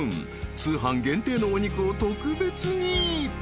［通販限定のお肉を特別に］